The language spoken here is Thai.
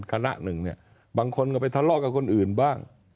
คณะหนึ่งเนี่ยบางคนก็ไปทะเลาะกับคนอื่นบ้าง